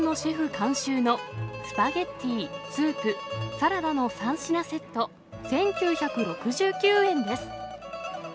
監修のスパゲッティ、スープ、サラダの３品セット１９６９円です。